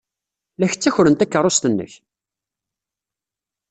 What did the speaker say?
La ak-ttakren takeṛṛust-nnek!